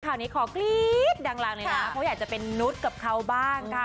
ข่าวนี้ขอกรี๊ดดังเลยนะเพราะอยากจะเป็นนุษย์กับเขาบ้างค่ะ